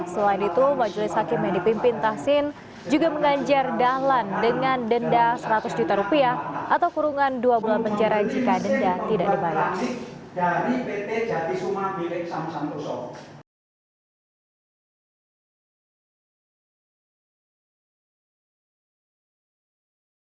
selain itu majelis hakim yang dipimpin tahsin juga menganjar dahlan dengan denda seratus juta rupiah atau kurungan dua bulan penjara jika denda tidak dibayar